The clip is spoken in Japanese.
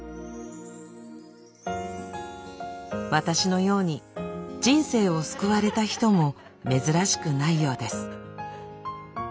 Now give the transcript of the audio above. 私のように人生を救われた人も珍しくないようです。